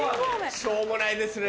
しょうもないですね